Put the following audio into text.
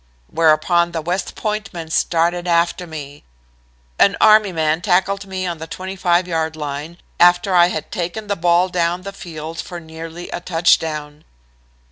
Whereupon the West Point men started after me. An Army man tackled me on their 25 yard line, after I had taken the ball down the field for nearly a touchdown.